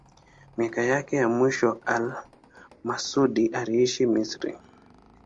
Miaka yake ya mwisho al-Masudi aliishi Misri.